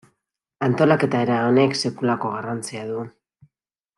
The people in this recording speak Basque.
Antolaketa era honek sekulako garrantzia du.